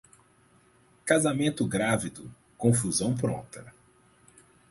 Casamento grávido, confusão pronta.